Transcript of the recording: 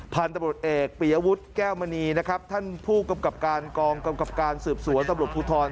พันธุ์ตำรวจเอกปียวุฒิแก้วมณีนะครับท่านผู้กำกับการกองกำกับการสืบสวนตำรวจภูทร